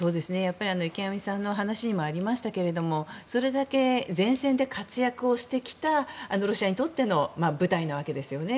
池上さんの話にもありましたけれどもそれだけ前線で活躍をしてきたロシアにとっての部隊なわけですよね。